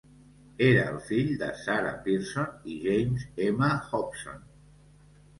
Era el fill de Sarah Pearson i James M Hobson.